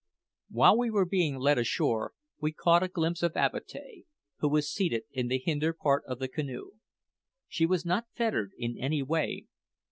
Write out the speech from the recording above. While we were being led ashore, we caught a glimpse of Avatea, who was seated in the hinder part of the canoe. She was not fettered in any way.